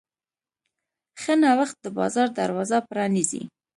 ښه نوښت د بازار دروازه پرانیزي.